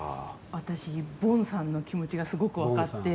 私、Ｖｏｎさんの気持ちがすごく分かって。